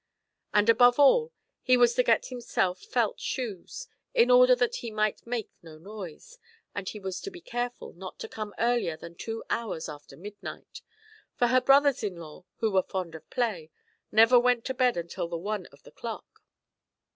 And above all, he was to get himself felt shoes, in order that he might make no noise, and he was to be careful not to come earlier than two hours after midnight, for her brothers in law, who were fond of play, never went to bed until after one of the clock.